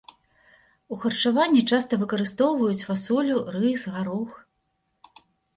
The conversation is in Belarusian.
У харчаванні часта выкарыстоўваюць фасолю, рыс, гарох.